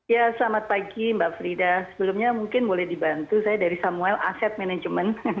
ya selamat pagi mbak frida sebelumnya mungkin boleh dibantu saya dari samuel asset management